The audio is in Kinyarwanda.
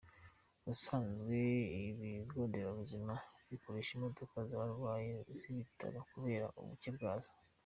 Ubusanzwe ibigonderabuzima bikoresha imodoka z’abarwayi z’ibitaro kubera ubuke bwazo.